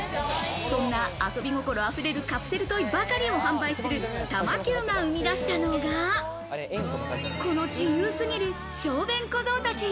そんな遊び心溢れるカプセルトイばかりを販売するＴＡＭＡ−ＫＹＵが生み出したのが、この自由すぎる小便小僧たち。